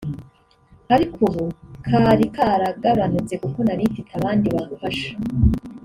ariko ubu kari karagabanutse kuko nari mfite abandi bamfasha